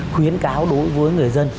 khuyến cáo đối với người dân